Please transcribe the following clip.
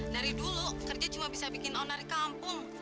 dari dulu kerja cuma bisa bikin onar kampung